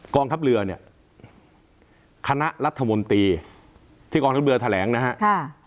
กองทัพเรือเนี่ยคณะรัฐมนตรีที่กองทัพเรือแถลงนะครับ